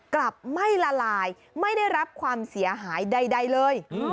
กลับไม่ละลายไม่ได้รับความเสียหายใดเลย